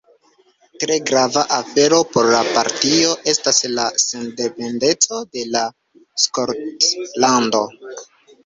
Tre grava afero por la partio estas la sendependeco de la Skotlando.